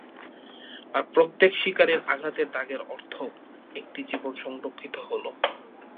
আর প্রত্যেক শিকারীর আঘাতের দাগের অর্থ, একটি জীবন সংরক্ষিত হলো।